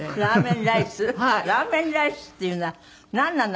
ラーメンライスっていうのはなんなの？